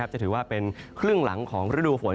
จะถือว่าเป็นครึ่งหลังของฤดูฝน